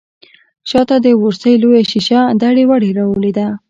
شا ته د ورسۍ لويه شيشه دړې وړې راولوېده.